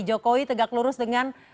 jokowi tegak lurus dengan